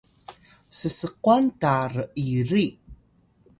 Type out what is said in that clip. sskwan ta r’iri